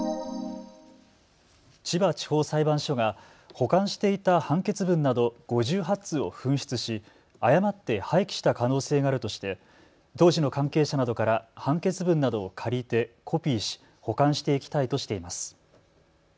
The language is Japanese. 千葉地方裁判所が保管していた判決文など５８通を紛失し誤って廃棄した可能性があるとして当時の関係者などから判決文などを借りてコピーし保管していきたいとしています。